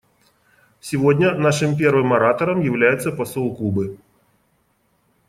Сегодня нашим первым оратором является посол Кубы.